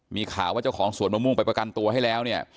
มีข่าวว่าเจ้าของสวนมะม่วงไปประกันตัวให้แล้วเนี่ย